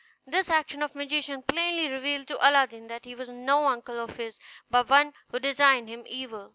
This action of the magician plainly revealed to Aladdin that he was no uncle of his, but one who designed him evil.